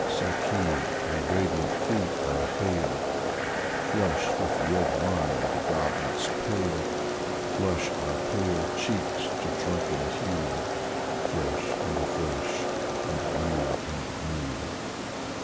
Saki, thy radiant feet I hail ; Flush with red wine the goblets pale, Flush our pale cheeks to drunken hue, Fresh and afresh and new and new